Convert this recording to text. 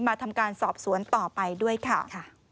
มาทำการสอบสวนต่อไปด้วยค่ะ